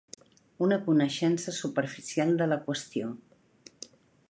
Una coneixença superficial de la qüestió.